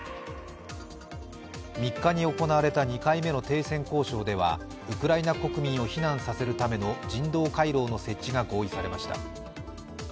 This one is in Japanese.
３日に行われた２回目の停戦交渉ではウクライナ国民を避難させるための人道回廊の設置が合意されました。